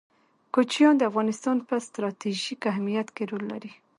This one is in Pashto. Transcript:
کوچیان د افغانستان په ستراتیژیک اهمیت کې رول لري.